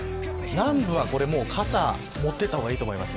南部は傘を持っていった方がいいと思います。